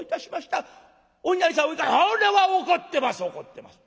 「これは怒ってます怒ってます。